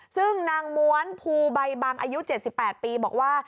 ซึ่งนางม้วนภูใบบังอายุ๗๘ปีบอกว่า